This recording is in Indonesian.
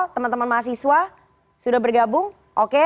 teman teman mahasiswa sudah bergabung oke